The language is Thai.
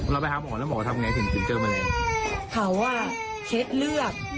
เราไปหาหมอแล้วหมอทำอย่างไรถึงเจอแมลง